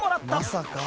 「まさか？」